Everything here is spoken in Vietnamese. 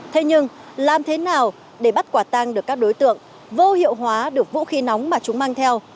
thế nhưng làm thế nào để bắt quả tang được các đối tượng vô hiệu hóa được vũ khí nóng mà chúng mang theo